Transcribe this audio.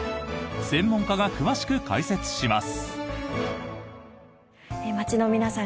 専門家が詳しく解説します。